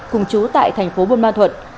cùng chú tại tp bôn ma thuật